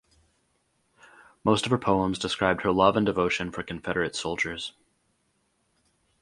Most of her poems described her love and devotion for Confederate soldiers.